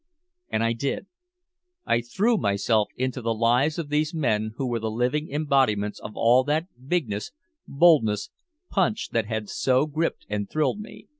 And I did. I threw myself into the lives of these men who were the living embodiments of all that bigness, boldness, punch that had so gripped and thrilled me.